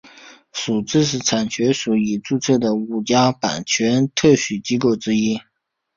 属知识产权署已注册的五家版权特许机构之一。